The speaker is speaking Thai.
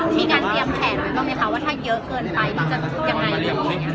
มีการเตรียมแผนไว้บ้างไหมคะว่าถ้าเยอะเกินไปนี่จะยังไง